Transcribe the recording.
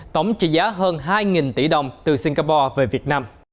tổng trị giá hơn hai tỷ đồng từ singapore về việt nam